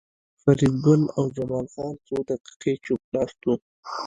فریدګل او جمال خان څو دقیقې چوپ ناست وو